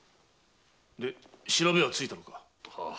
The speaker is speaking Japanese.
で調べはついたのか？